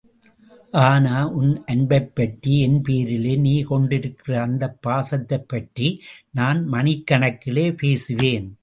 ஆனா உன் அன்பைப் பற்றி, என் பேரிலே நீ கொண்டிருக்கிற அந்தப் பாசத்தைப் பற்றி நான் மணிக்கணக்கிலே பேசுவேன்.